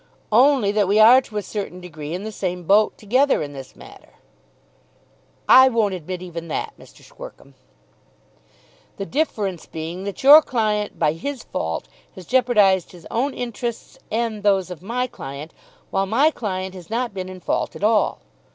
"Only that we are to a certain degree in the same boat together in this matter." "I won't admit even that, Mr. Squercum." "The difference being that your client by his fault has jeopardised his own interests and those of my client, while my client has not been in fault at all.